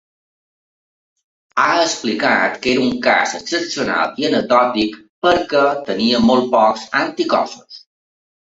Ha explicat que era un cas excepcional i “anecdòtic” perquè tenia molt pocs anticossos.